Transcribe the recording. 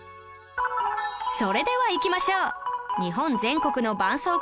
それではいきましょう